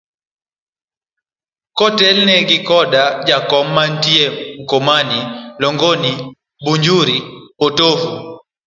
Kotelne gi koda jakom mantie Mkomani, Langoni, Bajuri, potovu.